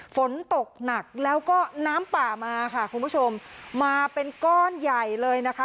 ฝนตกหนักแล้วก็น้ำป่ามาค่ะคุณผู้ชมมาเป็นก้อนใหญ่เลยนะคะ